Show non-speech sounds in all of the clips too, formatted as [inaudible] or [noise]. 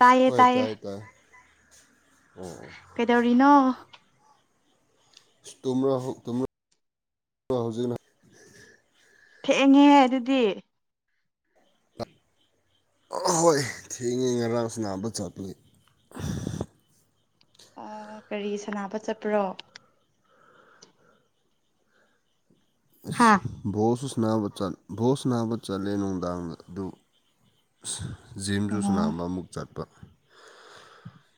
ꯇꯥꯏꯌꯦ ꯍꯣꯏ ꯇꯥꯏꯌꯦ ꯇꯥꯏ ꯇꯥꯏ ꯀꯩꯗꯧꯔꯤꯅꯣ ꯇꯨꯝꯔꯍꯧ ꯇꯨꯝꯔ ꯍꯧꯖꯤꯛꯅ ꯊꯦꯡꯉꯦ ꯑꯗꯨꯗꯤ ꯍꯣꯏ ꯊꯦꯡꯉꯦ ꯉꯔꯥꯡꯁꯨ ꯅꯥꯕ ꯆꯠꯏ ꯑꯣ ꯀꯔꯤ ꯁꯥꯟꯅꯕ ꯆꯠꯄ꯭ꯔꯣ ꯑꯁ ꯍꯥꯥ ꯕꯣꯜꯁꯨ ꯅꯥꯆꯠ ꯕꯣꯜ ꯁꯅꯥꯕ ꯆꯠꯂꯦ ꯅꯨꯡꯗꯥꯡꯗ ꯑꯗꯨ ꯑ ꯖꯤꯝꯗꯨ ꯑꯣ ꯁꯨꯅꯥꯕ ꯑꯃꯨꯛ ꯆꯠꯄ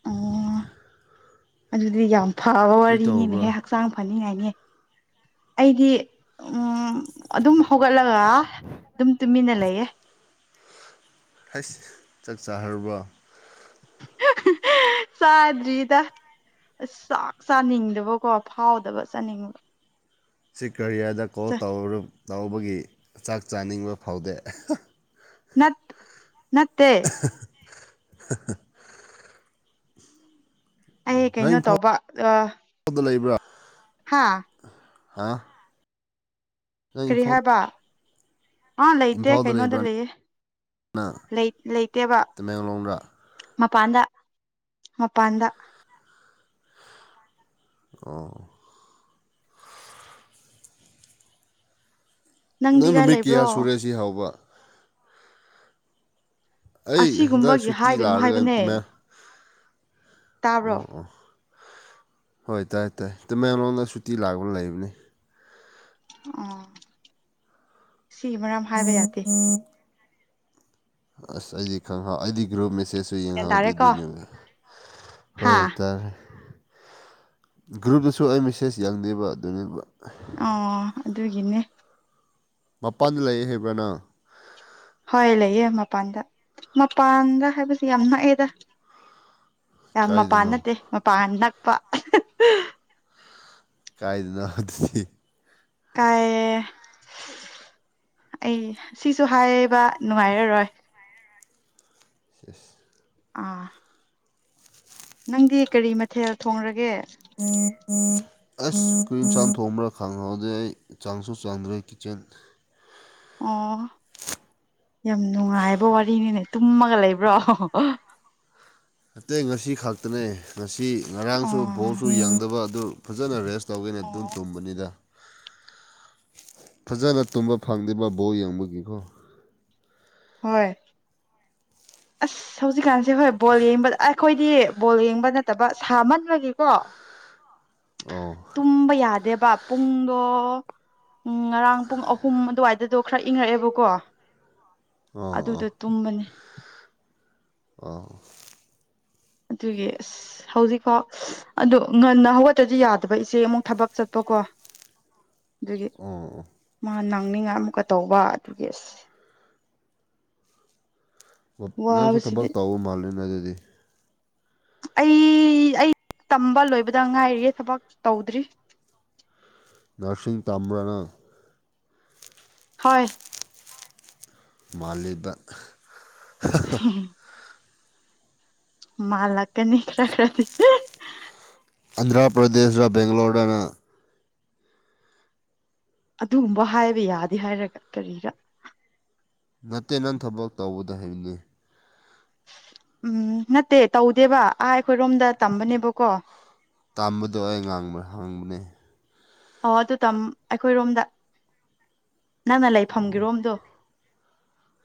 ꯑꯣ ꯑꯗꯨꯗꯤ ꯌꯥꯝ ꯐꯕ ꯀꯔꯤ ꯇꯧꯕ꯭ꯔꯥ ꯋꯥꯔꯤꯅꯤꯅꯦꯍꯦ ꯍꯛꯆꯥꯡ ꯐꯅꯤꯉꯥꯏ ꯉꯦ ꯑꯩꯗꯤ ꯎ ꯑꯗꯨꯝ ꯍꯧꯒꯠꯂꯒ ꯑꯗꯨꯝ ꯇꯨꯃꯤꯟꯅ ꯂꯩꯌꯦ ꯍꯁ ꯆꯥꯛ ꯆꯥꯈꯔꯕ꯭ꯔꯣ ꯆꯥꯗꯔꯤꯗ ꯑꯁ ꯆꯥꯛ ꯆꯥꯅꯤꯡꯗꯕꯀꯣ ꯐꯥꯎꯗꯕ ꯆꯥꯅꯤꯡꯕ ꯁꯤ ꯀꯔꯤꯌꯔꯗ ꯀꯣꯜ ꯇꯧꯕꯒꯤ ꯆꯥꯛ ꯆꯥꯅꯤꯡꯕ ꯐꯥꯎꯗꯦ ꯅꯠ ꯅꯠꯇꯦ [inaudible] ꯑꯩ ꯅꯪ ꯀꯩꯅꯣ ꯏꯝꯐꯥꯜꯗ ꯇꯧꯕ ꯑ ꯂꯩꯕ꯭ꯔꯥ ꯍꯥꯥ ꯍꯥ ꯅꯪ ꯏꯝꯐꯥꯜ ꯀꯔꯤꯍꯥꯕ ꯑꯥ ꯂꯩꯇꯦ ꯏꯝꯐꯥꯜꯗ ꯀꯩꯅꯣꯗ ꯂꯩꯕ꯭ꯔꯥ ꯂꯩꯌꯦ ꯅꯪ ꯂꯩꯇꯦꯕ ꯇꯃꯦꯡꯂꯣꯡꯗ ꯃꯄꯥꯟꯗ ꯃꯄꯥꯟꯗ ꯑꯣ ꯅꯪꯗꯤ ꯅꯪ ꯀꯥꯏ ꯅꯨꯃꯤꯠ ꯂꯩꯕ꯭ꯔꯣ ꯀꯌꯥ ꯁꯨꯔꯦ ꯁꯤ ꯍꯎꯕ ꯑꯩ ꯍꯟꯗꯛ ꯑꯁꯤꯒꯨꯝꯕꯒꯤ ꯁꯨꯇꯤ ꯍꯥꯏꯒꯅꯨ ꯂꯥꯛꯔꯒ ꯍꯥꯏꯕꯅꯦ ꯇꯥꯕ꯭ꯔꯣ ꯑꯣ ꯑꯣ ꯍꯣꯏ ꯇꯥꯏ ꯇꯥꯏ ꯇꯃꯦꯡꯂꯣꯡꯗ ꯁꯨꯇꯤ ꯂꯥꯛꯄ ꯂꯩꯕꯅꯤ ꯑꯣ ꯁꯤꯒꯤ ꯃꯔꯝ ꯍꯥꯏꯕ ꯌꯥꯗꯦ ꯑꯁ ꯑꯩꯗꯤ ꯈꯪ ꯑꯩꯗꯤ ꯒ꯭ꯔꯨꯨꯞ ꯃꯁꯦꯁꯁꯨ ꯒ꯭ꯌꯥꯟ ꯌꯦꯡꯍꯧꯗꯦ ꯇꯥꯔꯦꯀꯣ ꯑꯗꯨꯏꯅꯤꯅꯦ ꯍꯥ ꯍꯣꯏꯇꯥꯔꯦ ꯒ꯭ꯔꯨꯞꯇꯁꯨ ꯑꯩ ꯃꯤꯁꯦꯁ ꯌꯥꯡꯗꯕ ꯑꯗꯨꯅꯦꯕ ꯑꯣ ꯑꯗꯨꯒꯤꯅꯦ ꯃꯄꯥꯟꯗ ꯂꯩꯑꯦ ꯍꯥꯏꯕ꯭ꯔ ꯅꯪ ꯍꯣꯏ ꯂꯩꯌꯦ ꯃꯄꯥꯟꯗ ꯃꯄꯥꯟꯗ ꯍꯥꯏꯕꯁꯤ ꯌꯥꯝ ꯅꯛꯑꯦꯗ ꯌꯥꯝ ꯃꯄꯥꯟ ꯀꯥꯏꯗꯅꯣ ꯅꯠꯇꯦ ꯃꯄꯥꯟ ꯅꯛꯄ ꯀꯥꯏꯗꯅꯣ ꯑꯗꯨꯗꯤ ꯀꯥꯏ ꯑꯩ ꯁꯤꯁꯨ ꯍꯥꯏꯌꯦꯕ ꯅꯨꯡꯉꯥꯏꯔꯔꯣꯏ ꯌꯦꯁ ꯑꯥ ꯅꯪꯗꯤ ꯀꯔꯤ ꯃꯊꯦꯜ ꯊꯣꯡꯂꯒꯦ ꯎꯝ ꯎꯝ ꯑꯁ ꯀꯔꯤ ꯌꯦꯟꯁꯥꯡ ꯊꯣꯡꯕ꯭ꯔꯥ ꯈꯪꯍꯧꯗꯦ ꯑꯩ ꯆꯡꯁꯨ ꯆꯡꯗ꯭ꯔꯦ ꯀꯤꯆꯟ ꯑꯣ ꯌꯥꯝ ꯅꯨꯡꯉꯥꯏꯕ ꯋꯥꯔꯤꯅꯤꯅꯦ ꯇꯨꯝꯃꯒ ꯂꯩꯕ꯭ꯔꯣ ꯑꯇꯩ ꯉꯁꯤ ꯈꯛꯛꯇꯅꯦ ꯉꯁꯤ ꯉꯁꯤ ꯉꯔꯥꯡꯁꯨ ꯕꯣꯜꯁꯨ ꯑꯣ ꯌꯦꯡꯗꯕ ꯑꯗꯨ ꯐꯖꯅ ꯔꯦꯁ ꯇꯧꯒꯦꯅ ꯑꯗꯨꯝ ꯇꯨꯝꯕꯅꯤꯗ ꯐꯖꯅ ꯇꯨꯝꯕ ꯐꯪꯗ꯭ꯔꯤꯕ ꯕꯣꯜ ꯌꯦꯡꯕꯒꯤꯀꯣ ꯍꯣꯏ ꯑꯁ ꯍꯧꯖꯤꯛꯀꯥꯟꯁꯦ ꯍꯣꯏ ꯕꯣꯜ ꯌꯦꯡꯅꯤꯡꯕꯗ ꯑ ꯑꯩꯈꯣꯏꯗꯤ ꯕꯣꯜ ꯌꯦꯡꯕ ꯅꯠꯇꯕ ꯁꯥꯃꯜꯂ ꯕꯒꯤꯀꯣ ꯑꯣ ꯇꯨꯝꯕ ꯌꯥꯗꯦꯕ ꯄꯨꯡꯗꯣ ꯎꯝ ꯉꯔꯥꯡ ꯄꯨꯡ ꯑꯍꯨꯝ ꯑꯗꯨꯋꯥꯏꯗꯗꯣ ꯈꯔ ꯏꯪꯉꯛꯑꯦꯕꯀꯣ ꯑꯣ ꯑꯗꯨꯗ ꯇꯨꯝꯕꯅꯦ ꯑ ꯑꯗꯨꯒꯤ ꯑꯁ ꯍꯧꯖꯤꯛꯐꯥꯎ ꯉꯟꯅ ꯍꯧꯒꯠꯇ꯭ꯔꯗꯤ ꯌꯥꯗꯕ ꯏꯆꯦ ꯑꯃꯨꯛ ꯊꯕꯛ ꯆꯠꯄ ꯀꯣ ꯑꯗꯨꯒꯤ ꯑꯣ ꯑꯣ ꯃꯥ ꯅꯡꯅꯤꯉꯥꯏ ꯑꯃꯨꯛꯀ ꯇꯧꯕ ꯑꯗꯨꯒꯤ ꯑꯁ ꯅꯪꯁꯨ ꯊꯕꯛ ꯋꯥꯕꯁꯤꯗꯤ ꯇꯎꯕ ꯃꯥꯜꯂꯦꯅ ꯑꯗꯨꯗꯤ ꯑꯩ ꯑꯩ ꯇꯝꯕ ꯂꯣꯏꯕꯗ ꯉꯥꯏꯔꯤꯑꯦ ꯊꯕꯛ ꯇꯧꯗ꯭ꯔꯤ [inaudible] ꯅꯔꯁꯁꯤꯡ ꯇꯝꯕꯔ ꯅꯪ ꯍꯣꯏ ꯃꯥꯜꯂꯤꯕ [inaudible] ꯃꯥꯂꯀꯅꯤ ꯀꯔ ꯀꯗꯤ ꯑꯟꯗ꯭ꯔꯥ ꯄ꯭ꯔꯗꯦꯁꯗ ꯕꯒꯂꯣꯔꯣꯔꯅ ꯑꯗꯨꯒꯨꯝꯕ ꯍꯥꯏꯕ ꯌꯥꯗꯦ ꯍꯥꯏꯔꯒ ꯀꯔꯤꯔ ꯗꯂꯤ ꯎꯝ ꯅꯠꯇꯦ ꯇꯧꯗꯦꯕ ꯑꯥ ꯑꯩꯈꯣꯏꯔꯣꯝꯗ ꯇꯝꯕꯅꯦꯕꯀꯣ ꯇꯥꯝꯕꯗꯣ ꯑꯩ ꯉꯥꯡꯕ ꯍꯥꯡꯕꯅꯦ ꯑꯣ ꯑꯗꯨ ꯇ ꯑꯩꯈꯣꯏꯔꯣꯝꯗ ꯅꯪꯅ ꯂꯩꯐꯝꯒꯤꯔꯣꯝꯗꯣ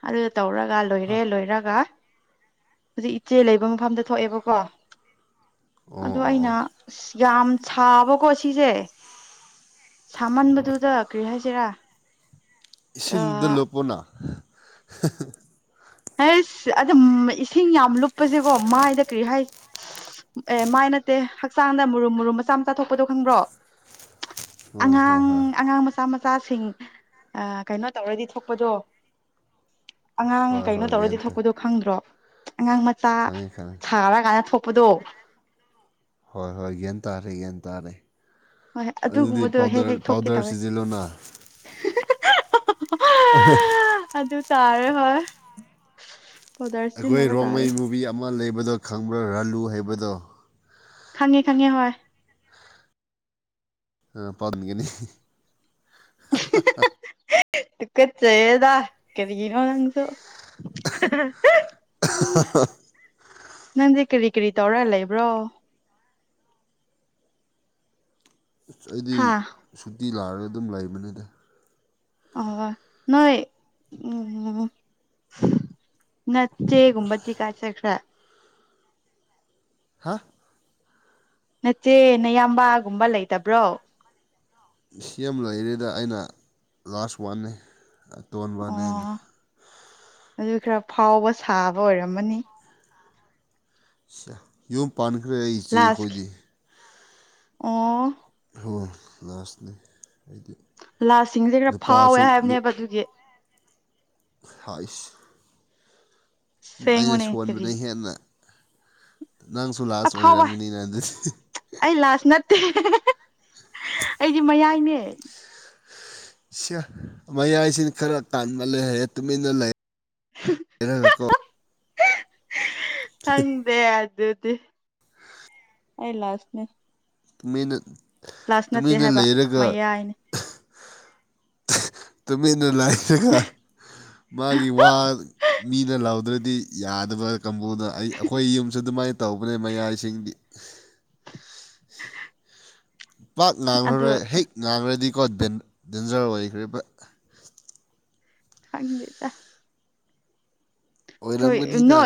ꯑꯗꯨ ꯇꯧꯔꯒ ꯂꯣꯏꯔꯦ ꯂꯣꯏꯔꯒ ꯍꯧꯖꯤꯛ ꯏꯆꯦ ꯂꯩꯕ ꯃꯐꯝꯗ ꯊꯣꯛꯑꯦꯕꯀꯣ ꯑ ꯑꯣ ꯑꯣ ꯑꯩꯅ ꯑꯣ ꯌꯥꯝ ꯁꯥꯕꯀꯣ ꯁꯤꯁꯦ ꯁꯥꯃꯟꯕꯗꯨꯗ ꯀꯔꯤ ꯍꯥꯏꯁꯤꯔꯥ ꯏꯁꯤꯡꯗ ꯂꯣꯞꯄꯅ ꯍ ꯑꯗꯨ ꯏꯁꯤꯡ ꯌꯥꯝ ꯂꯨꯞꯄꯁꯦꯀꯣ ꯃꯥꯏꯗ ꯀꯔꯤ ꯍꯥꯏ ꯑꯦ ꯃꯥꯏ ꯅꯠꯇꯦ ꯍꯛꯆꯥꯡꯗ ꯃꯨꯔꯨꯝ ꯃꯨꯔꯨꯝ ꯃꯆꯥ ꯃꯆꯥ ꯊꯣꯛꯄꯗꯣ ꯈꯪꯕ꯭ꯔꯣ ꯑꯣ ꯍꯣꯏ ꯑꯉꯥꯡ ꯍꯣꯏ ꯑꯉꯥꯡ ꯃꯆꯥ ꯃꯆꯥ ꯃꯆꯥꯁꯤꯡ ꯀꯩꯅꯣ ꯇꯧꯔꯗꯤ ꯊꯣꯛꯄꯗꯣ ꯑꯉꯥꯡ ꯍꯣꯏ ꯀꯩꯅꯣ ꯍꯣꯏ ꯇꯧꯔꯗꯤ ꯒ꯭ꯌꯥꯟ ꯇꯥꯏ ꯊꯣꯛꯄꯗꯣ ꯈꯪꯗ꯭ꯔꯣ ꯑꯉꯥꯡ ꯃꯆꯥ ꯈꯪꯉꯦ ꯈꯪꯉꯦ ꯁꯥꯔ ꯀꯅ ꯊꯣꯛ ꯑꯗꯣ ꯍꯣꯏ ꯍꯣꯏ ꯒ꯭ꯌꯥꯟ ꯇꯥꯔꯦ ꯒ꯭ꯌꯥꯟ ꯇꯥꯔꯦ ꯍꯣꯏꯣꯏ ꯑꯗꯨꯗꯤ ꯑꯗꯨꯒꯨꯝꯕꯗꯣ ꯍꯦꯛ ꯄꯥꯎꯗꯔ ꯍꯦꯛ ꯊꯣꯛꯀꯦ ꯄꯥꯎꯗꯔ ꯇꯧꯋꯦ ꯁꯤꯖꯤꯜꯂꯣꯅ [unintelligible] ꯇꯥꯔ ꯍꯣꯏ ꯄꯥꯎꯗꯔ ꯑꯩꯈꯣꯏ ꯁꯤꯖꯤꯟꯅꯕ ꯔꯣꯡꯃꯩ ꯇꯥꯔꯦ ꯃꯨꯚꯤ ꯑꯃ ꯂꯩꯕꯗꯣ ꯈꯪꯕ꯭ꯔꯥ ꯔꯥꯂꯨ ꯍꯥꯏꯕꯗꯣ ꯈꯥꯉꯦ ꯈꯥꯉꯦ ꯍ ꯑ ꯄꯥꯎꯅꯤꯡꯒꯅꯤ ꯇꯨ ꯀ ꯆꯦꯗꯥ ꯀꯔꯤꯒꯤꯅꯣꯁꯨꯣ ꯎ ꯅꯟ ꯀꯔꯤ ꯀꯔꯤ ꯇꯧꯔ ꯂꯩꯕ꯭ꯔꯣ ꯑꯁ ꯑꯩꯗꯤ ꯍꯥ ꯁꯨꯇꯤ ꯂꯥꯛꯑꯒ ꯑꯗꯨꯝ ꯂꯩꯕꯅꯤꯗ ꯑ ꯅꯣꯏ ꯎ ꯉꯠꯇꯦ ꯀꯨꯝꯕꯗꯤ ꯀꯥꯏ ꯆꯈ꯭ꯔ ꯍꯥ ꯅꯆꯦ ꯅꯌꯥꯝꯕꯒꯨꯝꯕ ꯂꯩꯇꯕ꯭ꯔꯣ ꯁꯤ ꯑꯃ ꯂꯩꯔꯦꯗ ꯑꯩꯅ ꯂꯥꯁ ꯋꯥꯟꯅꯅꯤ ꯇꯣꯟꯕꯅꯅ ꯑꯣ ꯑꯗꯨ ꯈꯔ ꯐꯥꯎꯕ ꯁꯥꯕ ꯑꯣꯏꯔꯝꯃꯅꯤ ꯌꯨꯝ ꯄꯥꯟꯈ꯭ꯔꯦ ꯑꯩ ꯏꯆꯦ ꯂꯥꯁꯀꯤ ꯑꯩꯈꯣꯏꯗꯤ ꯑꯣ ꯍ ꯂꯥꯁꯅꯤ ꯑꯩꯗꯤ ꯂꯥꯁꯤꯡꯁꯦ ꯈꯔ ꯐꯥꯎꯋꯦ ꯅꯨꯄꯥꯁꯨ ꯍꯥꯏꯕꯅꯦꯕ ꯑꯗꯨꯒꯤ ꯍꯥꯏꯏꯁ ꯑꯩꯅ ꯁꯦꯡꯉꯨꯅꯦ ꯀꯔꯤ ꯁꯣꯟꯕꯅ ꯍꯦꯟꯅ ꯅꯪꯁꯨ ꯂꯥꯁ ꯑꯐꯥꯎꯕ ꯑꯣꯏꯔꯝꯒꯅꯤꯅꯗꯤ ꯑꯩ ꯂꯥꯁ ꯅꯠꯇꯦ ꯑꯩꯗꯤ ꯃꯌꯥꯏꯅꯦ ꯁꯤ ꯃꯌꯥꯏꯁꯤꯅ ꯈꯔ ꯇꯥꯟꯕ ꯂꯩꯔꯦ ꯇꯨꯃꯤꯟꯅ ꯂꯩ ꯏꯩꯅꯒꯀꯣ ꯈꯪꯗꯦ ꯑꯗꯨꯗꯤ ꯑꯩ ꯂꯥꯁꯅꯦ ꯇꯨꯃꯤꯟꯅ ꯂꯥꯁ ꯅꯠꯇꯦ ꯇꯨꯃꯤꯟꯅ ꯍꯥꯏꯕ ꯂꯩꯔꯒ ꯃꯌꯥꯏꯅꯦ ꯇ ꯃꯅꯨ ꯂꯏꯑꯒꯥ ꯃꯥꯒꯤ ꯋꯥ ꯃꯤꯅ ꯂꯥꯎꯗ꯭ꯔꯗꯤ ꯌꯥꯗꯕ ꯀꯥꯡꯕꯨꯅ ꯑꯩ ꯑꯩꯈꯣꯏ ꯌꯨꯝꯁꯨ ꯑꯗꯨꯃꯥꯏꯅ ꯇꯧ ꯇꯧꯕꯅꯦ ꯃꯌꯥꯏꯁꯤꯡꯗꯤ [unintelligible] ꯄꯥꯛ ꯑꯗꯨ ꯉꯥꯡꯈ꯭ꯔꯔꯣꯏ ꯍꯦꯛ ꯉꯥꯡꯈ꯭ꯔꯗꯤꯀꯣ ꯗꯦꯟꯖꯔ ꯑꯣꯏꯈ꯭ꯔꯦ ꯈꯪꯕꯤꯗ ꯍꯣꯏ ꯅ ꯑꯣꯏꯔꯝꯒꯅꯤꯗ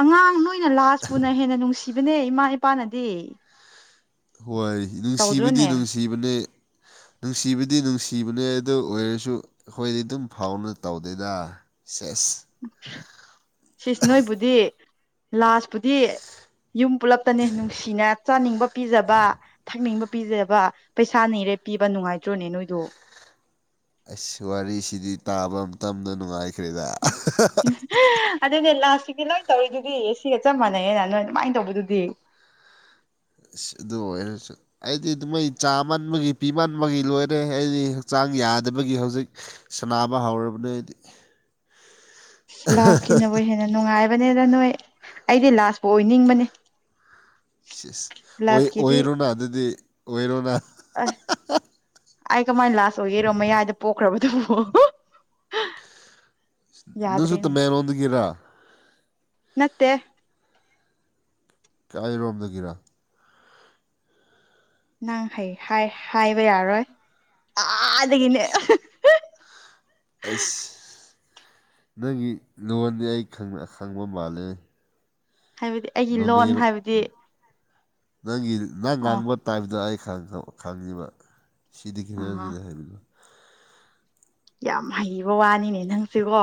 ꯑꯉꯥꯡ ꯅꯣꯏꯅ ꯂꯥꯁ ꯄꯨꯅ ꯍꯦꯟꯅ ꯅꯨꯡꯁꯤꯕꯅꯦ ꯏꯃꯥ ꯏꯄꯥꯅꯗꯤ ꯍꯣꯏ ꯅꯨꯡꯁꯤꯕꯗꯤ ꯇꯧꯗ꯭ꯔꯣꯅꯦ ꯅꯨꯡꯁꯤꯕꯅꯦ [unintelligible] ꯅꯨꯡꯁꯤꯕꯗꯤ ꯅꯨꯡꯁꯤꯕꯅꯦ ꯑꯗꯨ ꯑꯣꯏꯔꯁꯨ ꯑꯩꯈꯣꯏꯗꯤ ꯑꯗꯨꯝ ꯐꯥꯎꯅ ꯇꯧꯗꯦꯗ ꯁꯁ ꯁꯤꯁ ꯅꯣꯏꯕꯨꯗꯤ ꯂꯥꯁꯄꯨꯗꯤ ꯌꯨꯝ ꯄꯨꯜꯂꯞꯇꯅꯦ ꯅꯨꯡꯁꯤꯅ ꯆꯥꯅꯤꯡꯕ ꯄꯤꯖꯕ ꯊꯛꯅꯤꯡꯕ ꯄꯤꯖꯕ ꯄꯩꯁꯥꯅꯤꯔꯦ ꯄꯤꯕ ꯅꯨꯡꯉꯥꯏꯇ꯭ꯔꯣꯅꯦ ꯅꯣꯏꯗꯣ ꯑꯁ ꯋꯥꯔꯤꯁꯤꯗꯤ ꯇꯥꯕ ꯃꯇꯝꯇꯗ ꯅꯨꯡꯉꯥꯏꯈ꯭ꯔꯦꯗ ꯑꯗꯨꯅꯦ ꯂꯥꯁꯁꯤꯒꯤ ꯂꯣꯏ ꯇꯧꯔꯤꯗꯨꯗꯤ ꯁꯤꯒ ꯆꯞ ꯃꯥꯟꯅꯩꯌꯦꯅ ꯅꯣꯏ ꯑꯗꯨꯃꯥꯏꯅ ꯇꯧꯕꯗꯨꯗꯤ ꯑ ꯑꯗꯨ ꯑꯣꯏꯔꯁꯨ ꯑꯩꯗꯤ ꯑꯗꯨ ꯃꯣꯏ ꯆꯥꯃꯕꯒꯤ ꯄꯤꯃꯟꯕꯒꯤ ꯂꯣꯏꯔꯦ ꯑꯩꯗꯤ ꯍꯛꯆꯥꯡ ꯈꯤꯇꯪ ꯌꯥꯗꯕꯒꯤ ꯍꯧꯖꯤꯛ ꯁꯥꯟꯅꯕ ꯍꯧꯔꯕꯅꯤ ꯍꯥꯏꯗꯤ [unintelligible] ꯂꯥꯁꯀꯤꯅꯕꯨ ꯍꯦꯟꯅ ꯅꯨꯡꯉꯥꯏ ꯅꯦꯗ ꯅꯣꯏ ꯑꯩꯗꯤ ꯂꯥꯁꯄꯨ ꯑꯣꯏꯅꯤꯡꯕꯅꯦ ꯁꯤꯁ ꯑꯣꯏ ꯑꯣꯏꯔꯣꯅ ꯑꯗꯨꯗꯤ ꯑꯣꯏꯔꯣꯅ ꯑꯁ ꯑꯩ ꯀꯃꯥꯏꯅ ꯂꯥꯁ ꯑꯣꯏꯒꯦꯔꯣ ꯃꯌꯥꯏꯗ ꯄꯣꯛꯈ꯭ꯔꯕꯗꯨꯣ ꯑꯣ ꯅꯪꯁꯨ ꯇꯝꯃꯦꯔꯣꯗꯨꯒꯤꯔꯥ ꯅꯠꯇꯦ ꯀꯌꯥꯔꯣꯝꯗꯒꯤꯔ ꯅꯪ ꯍ ꯍꯥꯏꯕ ꯌꯥꯔꯣꯏ ꯑꯥꯗꯒꯤꯅꯦ ꯑꯁ ꯅꯪꯒꯤ ꯂꯣꯟꯗꯤ ꯑꯩ ꯈꯪꯕ ꯃꯥꯜꯂꯦ ꯍꯥꯏꯕꯗꯤ ꯑꯩꯒꯤ ꯂꯣꯟ ꯅꯣꯅꯦꯔꯣ ꯍꯥꯏꯕꯗꯤ ꯅꯪꯒꯤ ꯅꯪ ꯑꯣ ꯉꯥꯡꯕ ꯇꯥꯏꯞꯇꯣ ꯑꯩ ꯈꯪꯉꯤꯕ ꯁꯤꯗꯤꯈꯤꯔ ꯑꯥ ꯑꯗꯨꯗ ꯍꯥꯏꯦꯕꯤꯂꯣ ꯌꯥꯝ ꯍꯩꯕ ꯋꯥꯅꯤꯅꯦ ꯅꯪꯁꯤꯀꯣ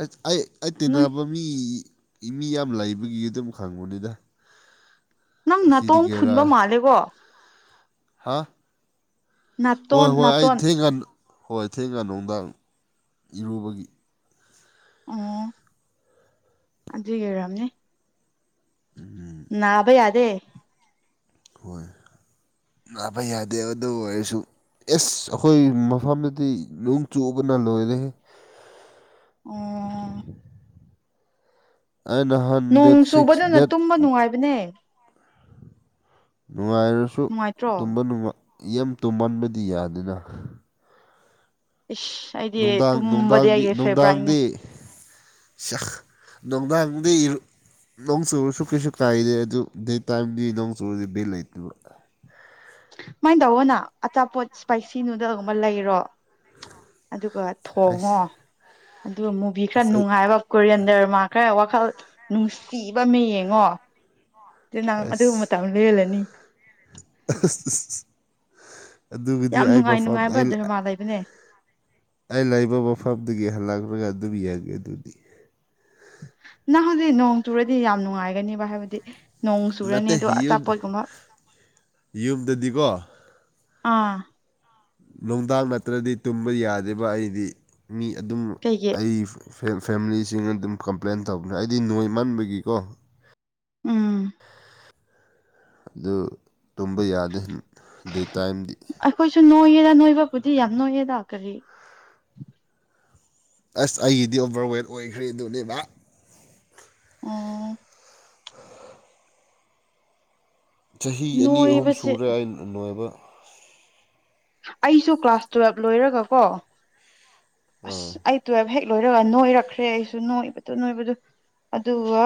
ꯑꯁ ꯑꯩ ꯑꯩ ꯅꯣꯏ ꯇꯤꯟꯅꯕ ꯃꯤ ꯃꯤ ꯌꯥꯝ ꯂꯩꯕꯒꯤ ꯑꯗꯨꯝ ꯈꯪꯕꯅꯤꯗ ꯅꯪ ꯅꯥꯇꯣꯡꯝ ꯑꯁꯤꯗꯒꯤꯔ ꯐꯨꯟꯕ ꯃꯥꯜꯂꯦꯀꯣ ꯍꯥ ꯍꯣꯏ ꯅꯥꯇꯣꯟ ꯍꯣꯏ ꯑꯩ ꯅꯥꯇꯣꯟ ꯊꯤꯡ ꯍꯣꯏ ꯊꯦꯡꯒ ꯅꯨꯡꯗꯥꯡ ꯏꯔꯨꯕꯒꯤ ꯑꯣ ꯑꯗꯨ ꯀꯔꯝꯅꯦ ꯎꯝ ꯅꯥꯚꯩ ꯑꯗꯦ ꯍꯣꯏ ꯅꯥꯕ ꯌꯥꯗꯦ ꯑꯗꯨ ꯑꯣꯏꯔꯁꯨ ꯑꯦ ꯑꯩꯈꯣꯏ ꯃꯐꯝꯗꯗꯤ ꯅꯣꯡ ꯆꯨꯕꯅ ꯂꯣꯏꯔꯦ ꯑꯣ ꯑꯩ ꯅꯍꯥꯟ ꯅꯣꯡ ꯗꯦꯠ ꯁꯤꯛꯁ ꯆꯨꯕꯗꯨꯅ ꯗꯦꯠ ꯇꯨꯝꯕ ꯅꯨꯡꯉꯥꯏꯕꯅꯦ ꯅꯨꯡꯉꯥꯏꯔꯁꯨ ꯅꯨꯡꯉꯥꯏꯇ꯭ꯔꯣ ꯇꯨꯝꯕ ꯌꯥꯝ ꯇꯨꯝꯃꯟꯕꯗꯤ ꯌꯥꯗꯅ ꯏꯁ ꯑꯩꯗꯤ ꯅꯨꯡꯗꯥꯡ ꯇꯨꯝꯕꯗꯤ ꯅꯨꯡꯗꯥꯡꯗꯤ ꯑꯩꯒꯤ ꯐꯦꯚꯣꯔꯥꯏꯠꯅꯦ ꯅꯨꯡꯗꯥꯡꯗꯤ ꯅꯣꯡꯗꯥꯪꯗꯤꯔ ꯅꯣꯡ ꯆꯨꯔꯁꯨ ꯀꯩꯁꯨ ꯀꯥꯏꯗꯦ ꯑꯗꯨ ꯗꯩ ꯇꯥꯏꯝꯗꯤ ꯅꯣꯡ ꯆꯨꯔꯗꯤ ꯕꯦꯜ ꯂꯩꯇꯕ ꯁꯨꯃꯥꯏꯅ ꯇꯧꯕꯅ ꯑꯆꯥꯄꯣꯠ ꯏꯁꯄꯥꯏꯁꯤꯅꯅꯨꯡꯗꯒꯨꯝꯕ ꯂꯩꯔꯣ ꯑꯗꯨꯒ ꯑꯁ ꯊꯣꯡꯉꯣ ꯑꯗꯨꯒ ꯃꯨꯚꯤ ꯈꯔ ꯑꯁ ꯅꯨꯡꯉꯥꯏꯕ ꯀꯣꯔꯤꯌꯟꯗꯔꯃ ꯈꯔ ꯋꯥꯈꯜ ꯅꯨꯡꯁꯤꯕ ꯑꯃ ꯌꯦꯡꯉꯣ ꯅꯥꯡ ꯑꯁ ꯑꯗꯨꯒꯨꯝꯕ ꯃꯇꯝ ꯂꯦꯜꯂꯅꯤ ꯑꯁ ꯑꯗꯨꯒꯤꯗꯤ ꯌꯥꯝ ꯑꯩ ꯅꯨꯡꯉꯥꯏ ꯃꯐꯝ ꯅꯨꯡꯉꯥꯏꯕ ꯑꯩ ꯙꯔꯃꯥ ꯂꯩꯕꯅꯦ ꯑꯩ ꯂꯩꯕ ꯃꯐꯝꯗꯒꯤ ꯍꯜꯂꯛꯂꯒ ꯑꯗꯨꯝ ꯌꯦꯡꯉꯦ ꯑꯗꯨꯗꯤ ꯅꯪ ꯍꯧꯖꯤꯛ ꯅꯣꯡ ꯇꯨꯔꯗꯤ ꯌꯥꯝ ꯅꯨꯡꯉꯥꯏꯒꯅꯦꯕ ꯍꯥꯏꯕꯗꯤ ꯅꯣꯡ ꯆꯨꯔꯅꯤ ꯅꯠꯇꯦ ꯑꯗꯣ ꯌꯨꯝ ꯑꯆꯥꯄꯣꯠꯒꯨꯝꯕ ꯌꯨꯝꯗꯗꯤꯀꯣ ꯑꯥ ꯅꯨꯡꯗꯥꯡ ꯅꯠꯇ꯭ꯔꯗꯤ ꯇꯨꯝꯕ ꯌꯥꯗꯕ ꯑꯩꯗꯤ ꯃꯤ ꯑꯗꯨꯝ ꯀꯩꯒꯤ ꯑꯩ ꯐꯦꯃꯤꯂꯤꯁꯤꯡꯅ ꯑꯗꯨꯝ ꯀꯝꯄ꯭ꯂꯦꯟ ꯇꯧꯕꯅꯦ ꯑꯩꯗꯤ ꯅꯣꯏ ꯃꯟꯕꯒꯤꯀꯣ ꯎꯝ ꯑꯗꯨ ꯇꯨꯝꯕ ꯌꯥꯗꯦ ꯑꯩ ꯇꯥꯏꯝꯗꯤ ꯍꯖ ꯅꯣꯏꯕꯕꯨꯗꯤ ꯌꯥꯝ ꯅꯣꯏꯌꯦꯦꯗꯥꯛ ꯀꯔꯤ ꯑꯁ ꯑꯩꯒꯤꯗꯤ ꯑꯣꯚꯔꯋꯦꯠ ꯑꯣꯏꯈ꯭ꯔꯦ ꯑꯗꯨꯅꯦꯕ ꯑꯣ ꯆꯍꯤ ꯑꯅꯤ ꯑꯍꯨꯝ ꯅꯣꯏꯕꯁꯦ ꯁꯨꯔꯦ ꯅꯣꯏꯕ ꯑꯩꯁꯨ ꯀ꯭ꯂꯥꯁ ꯇꯨꯋꯦꯜꯕ ꯂꯣꯏꯔꯒ ꯀꯣ ꯑꯁ ꯑꯩ ꯇꯨꯋꯜꯕ ꯍꯦꯛ ꯂꯣꯏꯔꯒ ꯅꯣꯏꯔꯛꯈ꯭ꯔꯦ ꯑꯩꯁꯨ ꯅꯣꯛꯏꯕꯗꯨ ꯅꯣꯏꯕꯗ ꯑꯗꯨꯒ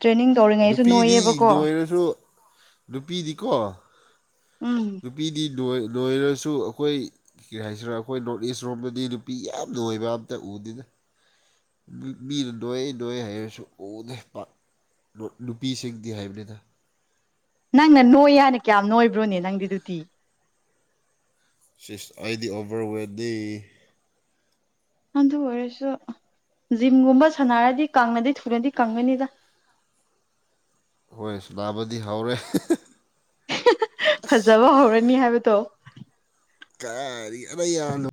ꯇ꯭ꯔꯦꯅꯤꯡ ꯇꯧꯔꯤꯉꯩꯁꯨ ꯅꯨꯄꯤꯗꯤ ꯅꯣꯏꯌꯦꯕꯀꯣ ꯅꯣꯏꯔꯁꯨ ꯅꯨꯄꯤꯗꯤꯀꯣ ꯎꯝ ꯅꯨꯄꯤꯗꯤ ꯅꯣꯏꯔꯁꯨ ꯑꯩꯈꯣꯏ ꯀꯔꯤ ꯍꯥꯏꯁꯤꯔꯣ ꯑꯩꯈꯣꯏ ꯅꯣꯔꯠ ꯏꯁ ꯔꯣꯝꯗꯗꯤ ꯅꯨꯄꯤ ꯌꯥꯝꯅ ꯑꯣꯏꯕ ꯑꯝꯇ ꯎꯗꯦꯅ ꯃꯤꯅ ꯅꯣꯏ ꯅꯣꯏ ꯍꯥꯏꯔꯁꯨ ꯎꯗꯦ ꯅꯨꯄꯤꯁꯤꯡꯗꯤ ꯍꯥꯏꯕꯅꯤꯗ ꯅꯪꯅ ꯅꯣꯏ ꯌꯥꯅꯤ ꯀꯌꯥꯝ ꯅꯣꯏꯕ꯭ꯔꯣꯅꯦ ꯅꯪꯗꯤꯗꯨꯗꯤ ꯑꯩꯗꯤ ꯑꯣꯚꯔꯋꯦꯠꯇꯗꯤ ꯍꯗ ꯑꯣꯏꯔꯁꯨ ꯖꯤꯝꯒꯨꯝꯕ ꯁꯥꯟꯅꯔꯗꯤ ꯀꯪꯅꯗꯤ ꯊꯅꯗꯤ ꯀꯪꯒꯅꯤꯗ ꯍꯣꯏ ꯅꯥꯕꯗꯤ ꯍꯧꯔꯦ ꯐꯖꯕ ꯍꯧꯔꯅꯤ ꯍꯥꯏꯕꯗꯣ ꯀꯔꯤ ꯑꯗ ꯌꯥꯔꯦ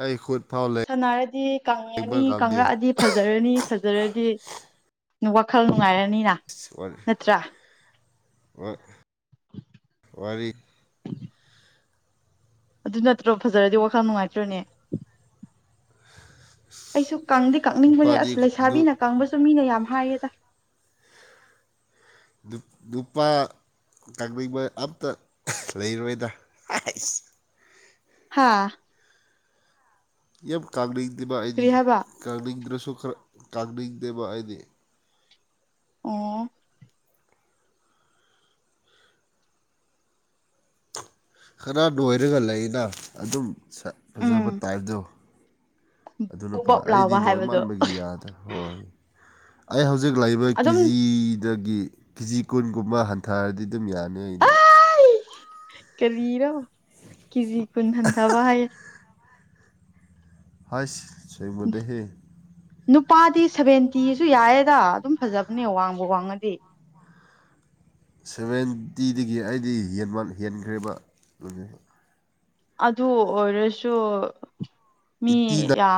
ꯑꯩꯈꯨꯗ ꯁꯥꯟꯅꯔꯗꯤ ꯀꯪꯉꯅꯤ ꯀꯪꯂꯉꯛꯑꯗꯤ ꯐꯖꯔꯅꯤ ꯐꯖꯔꯗꯤ ꯋꯥꯈꯜ ꯅꯨꯡꯉꯥꯏꯔꯅꯤꯅ ꯅꯠꯇ꯭ꯔꯥ ꯋꯥꯔꯤ ꯑꯗꯨ ꯅꯠꯇ꯭ꯔꯣ ꯐꯖꯔꯗꯤ ꯋꯥꯈꯜ ꯅꯨꯡꯉꯥꯏꯇ꯭ꯔꯅꯦ ꯑꯩꯁꯨ ꯀꯪꯗꯦ ꯀꯪꯅꯤꯡꯕꯅꯦ ꯅꯨꯄꯥꯗꯤ ꯑꯁ ꯂꯩꯁꯥꯕꯤꯅ ꯀꯪꯕꯁꯨ ꯃꯤꯅ ꯌꯥꯝ ꯍꯥꯏꯑ ꯇ ꯅꯨꯗꯨꯞꯄꯥ ꯀꯕ ꯑꯝꯇ ꯂꯩꯔꯣꯏꯗꯁ ꯍꯥꯥ ꯌꯥꯝ ꯀꯅꯤꯡꯅꯤꯡꯗꯦ ꯕ ꯑꯩꯗꯤ ꯀꯔꯤ ꯍꯥꯏꯕ ꯀꯅꯤꯡꯗ꯭ꯔꯁꯨ ꯈꯔ ꯀꯅꯤꯡꯗꯦꯕ ꯑꯩꯗꯤ ꯑꯣ ꯈꯔ ꯅꯣꯏꯔꯒ ꯂꯩꯅ ꯑꯗꯨꯝ ꯎꯝ ꯐꯖꯕ ꯇꯥꯏꯞꯇꯣ ꯑꯗꯨꯅ ꯄ ꯄꯣꯞ ꯑꯩꯗꯤ ꯂꯥꯎꯕ ꯅꯣꯡꯥꯏ ꯍꯥꯏꯕꯗꯣ ꯃꯥꯟꯕꯒꯤ ꯌꯥꯗ ꯍꯣꯏ ꯑꯩ ꯍꯧꯖꯤꯛ ꯍꯧꯖꯤꯛ ꯂꯥꯛꯕ ꯑꯗꯨꯝ ꯀꯦꯖꯤꯗꯒꯤ ꯀꯤꯖꯤ ꯀꯨꯟꯒꯨꯝꯕ ꯍꯟꯊꯔꯗꯤ ꯑꯗꯨꯝ ꯌꯥꯅ ꯑꯩꯅꯤ ꯀꯔꯤꯔꯣ ꯀꯖꯤ ꯀꯟꯍꯟ ꯊꯕꯏ ꯍꯁ ꯁꯣꯏꯕꯨꯗꯍꯦ ꯅꯨꯄꯥꯗꯤ ꯁꯚꯦꯟꯇꯤꯁꯨ ꯌꯥꯏꯌꯦꯗ ꯑꯗꯨꯝ ꯐꯖꯕꯅꯦ ꯋꯥꯡꯕ ꯋꯥꯡꯉꯗꯤ ꯁꯚꯦꯟꯇꯤꯗꯒꯤ ꯑꯩꯗꯤ ꯍꯟꯈ꯭ꯔꯦꯕ ꯑꯗꯨ ꯑꯗꯨ ꯑꯣꯏꯔꯁꯨ ꯃꯤ ꯑꯩꯠꯇꯤ ꯌꯥꯝ